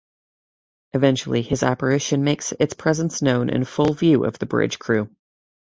Eventually, his apparition makes its presence known in full view of the bridge crew.